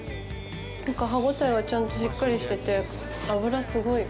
歯ごたえがちゃんとしっかりしてて脂すごい。